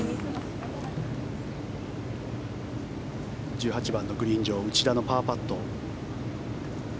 １８番のグリーン上内田のパーパット。